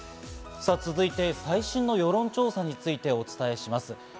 続いて、最新の世論調査についてお伝えします。